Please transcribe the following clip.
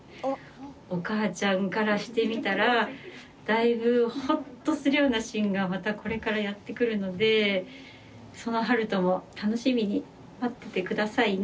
お母ちゃんからしてみたらだいぶほっとするようなシーンがまた、これからやってくるのでその悠人も楽しみに待っててくださいね。